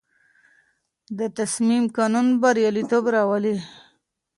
د تصمیم قانون بریالیتوب راولي.